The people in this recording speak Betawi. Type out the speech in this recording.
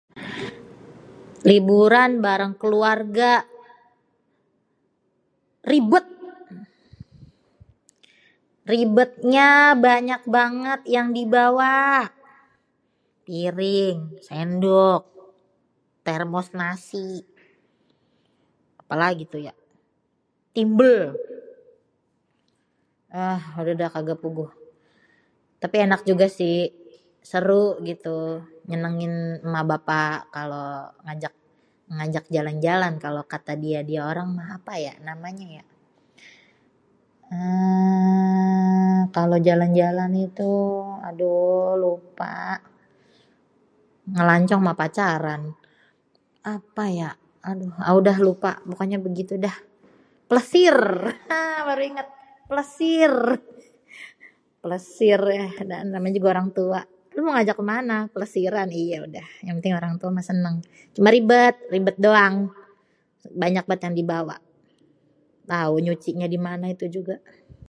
Liburan bareng keluarga, ribet, ribet nya banyak banget yang dibawa, piring, sendok, termos nasi, apélagi tu ya, timbel eee udeh deh kaga puguh, tapi enak juga si, seru gitu nyenengin éma bapa kalo ngajak, ngajak jalan-jalan kalo kata dia-dia orang mah apa ya namanya ya eee, kalo jalan-jalan itu, aduuhh lupaaa, ngelancong mah pacaran apa ya aduh itu, au dah lupa, pokonya begitu dah, plesir [nahh] baru inget , plesir ya dah namanya juga orang tua, lu mau ajak kemana, plesiran iyé udah yang penting mah orang tua seneng cuma ribet, ribet doang banyak banget yang dibawa, tau nyucinya dimana itu juga.